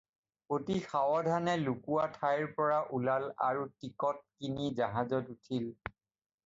অতি সাৱধানে লুকোৱা ঠাইৰ পৰা ওলাল আৰু টিকট কিনি জাহাজত উঠিল।